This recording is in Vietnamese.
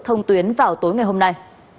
thông tuyến vào tối ngày hôm nay